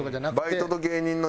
「バイトと芸人の」。